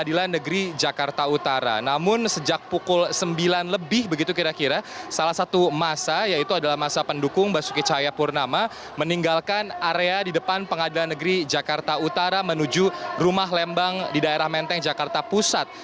ya itu adalah masyarakat pendukung mbak sukicaya purnama meninggalkan area di depan pengadilan negeri jakarta utara menuju rumah lembang di daerah menteng jakarta pusat